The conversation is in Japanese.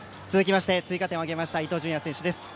続きまして、追加点を挙げました伊東純也選手です。